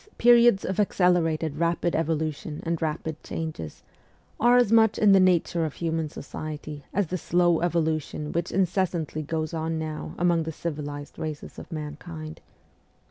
e. periods of accelerated rapid evolution and rapid changes, are as much in the nature of human society as the slow evolution which incessantly goes on now among the civilized races of mankind.